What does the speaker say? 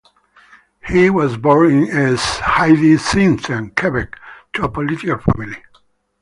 He was born in S-Hyacinthe, Quebec, to a political family.